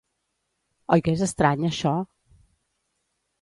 Oi que és estrany, això?